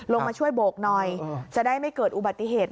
ลงมาช่วยโบกหน่อยจะได้ไม่เกิดอุบัติเหตุ